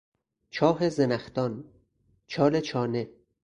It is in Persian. چاه زنخدان، چال چانه